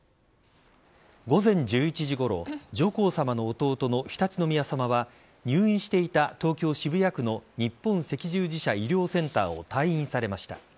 午前１１時ごろ上皇さまの弟の常陸宮さまは入院していた東京・渋谷区の日本赤十字社医療センターを退院されました。